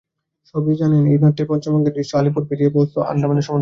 সবাই জানেন, এই নাট্যের পঞ্চম অঙ্কের দৃশ্য আলিপুর পেরিয়ে পৌঁছল আণ্ডামানের সমুদ্রকূলে।